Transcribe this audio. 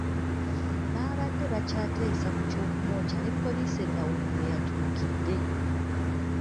Baabadde bakyateesa ku ky’okumwokya ne poliisi ennawunyi we yatuukidde